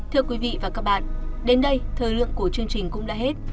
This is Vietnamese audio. thưa quý vị và các bạn đến đây thời lượng của chương trình cũng đã hết